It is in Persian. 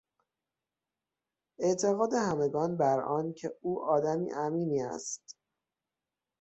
اعتقاد همگان بر آن که او آدم امینی است.